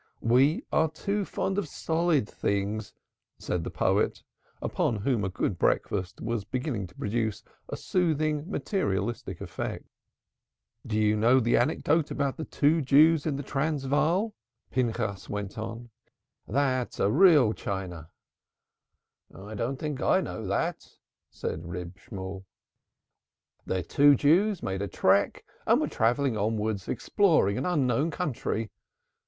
We are too fond of solid things," said the poet, upon whom a good breakfast was beginning to produce a soothing materialistic effect. "Do you know that anecdote about the two Jews in the Transvaal?" Pinchas went on. "That's a real Chine." "I don't think I know that Maaseh," said Reb Shemuel. "Oh, the two Jews had made a trek and were travelling onwards exploring unknown country.